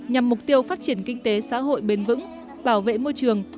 nhằm mục tiêu phát triển kinh tế xã hội bền vững bảo vệ môi trường